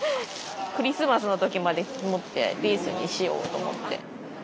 クリスマスの時まで持ってリースにしようと思って。